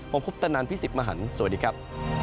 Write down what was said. ผมพุทธนันทร์พี่สิบมหานสวัสดีครับ